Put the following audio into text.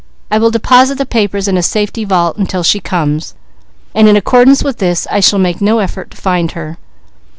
"I will deposit the papers in a safety vault until she comes, and in accordance with this, I shall make no effort to find her.